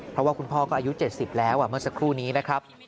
เพราะว่าคุณพ่อก็อายุ๗๐แล้วเมื่อสักครู่นี้นะครับ